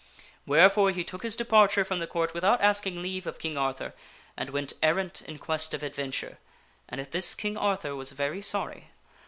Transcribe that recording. Wherefore he took his departure from the Court without asking leave of King Arthur and went errant in quest of adventure, and at this King Arthur was very sorry.